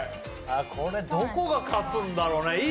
これどこが勝つんだろうね